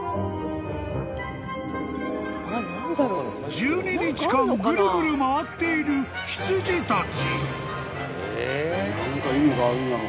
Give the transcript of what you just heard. ［１２日間ぐるぐる回っている羊たち］